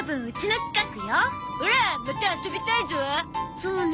そうね。